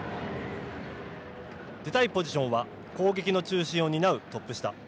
出たいポジションは攻撃の中心を担うトップ下。